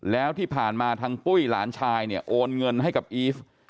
แล้วที่ผ่านมาทางปุ้ยหลานชายเนี่ยโอนเงินให้กับอีฟ